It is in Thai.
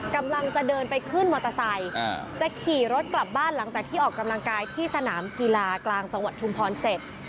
กำลังจะเดินไปขึ้นมอเตอร์ไซค์จะขี่รถกลับบ้านหลังจากที่ออกกำลังกายที่สนามกีฬากลางจังหวัดชุมพรเสร็จ